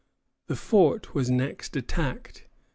The fort was next attacked.